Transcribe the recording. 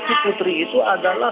si putri itu adalah